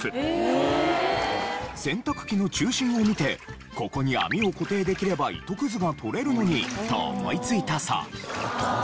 洗濯機の中心を見て「ここに網を固定できれば糸くずが取れるのに」と思いついたそう。